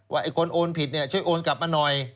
ไอ้คนโอนผิดเนี่ยช่วยโอนกลับมาหน่อย